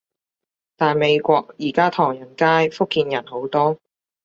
但美國而家唐人街，福建人好多